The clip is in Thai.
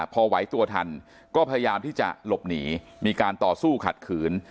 พอไหวตัวทันก็พยายามที่จะหลบหนีมีการต่อสู้ขัดขืน